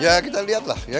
ya kita lihat lah